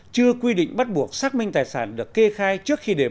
chưa quy định bắt buộc xác minh tài sản được kê khai trước khi đề bạt bổ nhiệm